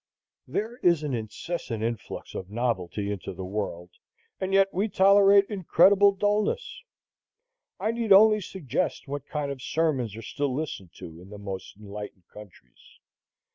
There is an incessant influx of novelty into the world, and yet we tolerate incredible dulness. I need only suggest what kind of sermons are still listened to in the most enlightened countries.